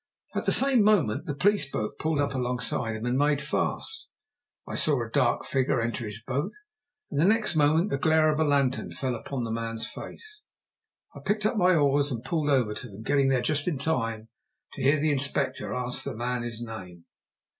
At the same moment the police boat pulled up alongside him and made fast. I saw a dark figure enter his boat, and next moment the glare of a lantern fell upon the man's face. I picked up my oars and pulled over to them, getting there just in time to hear the Inspector ask the man his name.